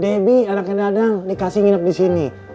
debbie anaknya dadang dikasih nginep disini